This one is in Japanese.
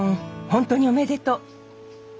本当におめでとう。